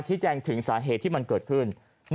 แจ้งถึงสาเหตุที่มันเกิดขึ้น